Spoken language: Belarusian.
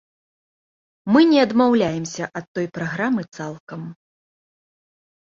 Мы не адмаўляемся ад той праграмы цалкам.